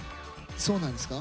そうなんですか？